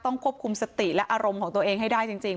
ควบคุมสติและอารมณ์ของตัวเองให้ได้จริง